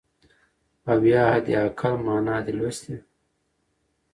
او یا حد اقل ما نه دی لوستی .